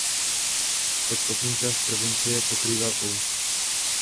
Podstatnou část provincie pokrývá poušť.